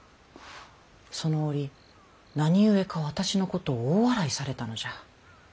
その折何故か私のことを大笑いされたのじゃ。